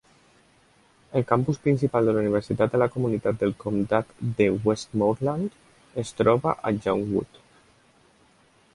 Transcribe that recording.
El Campus principal de la Universitat de la comunitat del comtat de Westmoreland es troba a Youngwood.